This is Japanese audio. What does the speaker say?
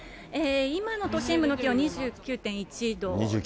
今の都心部の気温２９．１度で。